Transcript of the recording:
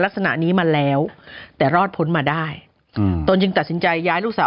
ลักษณะนี้มาแล้วแต่รอดพ้นมาได้ตนจึงตัดสินใจย้ายลูกสาว